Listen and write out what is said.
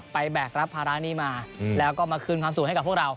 แบกรับภาระนี้มาแล้วก็มาคืนความสุขให้กับพวกเรา